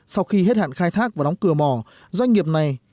sau khi hết hạn khai thác và đóng cửa mỏ doanh nghiệp này